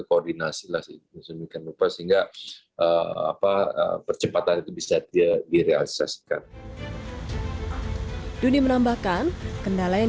koordinasi lah sih sehingga apa percepatan itu bisa direalisasikan dunia menambahkan kendala yang